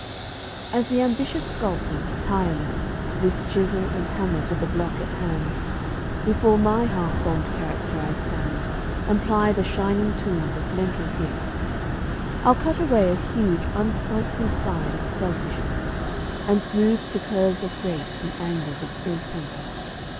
As the ambitious sculptor, tireless, lifts Chisel and hammer to the block at hand, Before my half formed character I stand And ply the shining tools of mental gifts. I'll cut away a huge, unsightly side Of selfishness, and smooth to curves of grace The angles of ill temper.